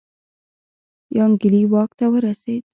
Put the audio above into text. یانګلي واک ته ورسېد.